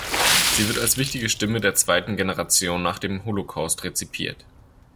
Sie wird als wichtige Stimme der zweiten Generation nach dem Holocaust rezipiert.